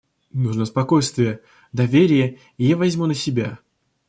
Нужно спокойствие, доверие, и я возьму на себя.